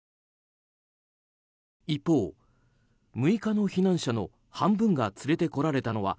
一方、６日の避難者の半分が連れてこられたのは